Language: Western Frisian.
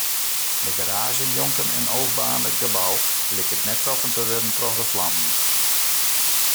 De garaazje njonken it ôfbaarnde gebou liket net troffen te wurden troch de flammen.